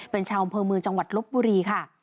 เป็นชาวอำเภอเมืองจังหวัดลบบุรีค่ะ